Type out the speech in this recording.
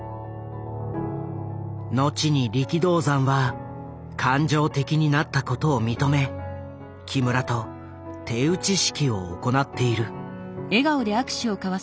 後に力道山は感情的になったことを認め木村と手打ち式を行っている。